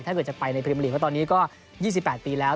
ถ้าเกิดจะไปในปริมอลีนว่าตอนนี้ก็๒๘ปีแล้ว